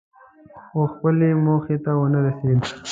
خو خپلې موخې ته ونه رسېد.